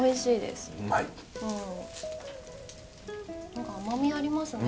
何か甘みありますね。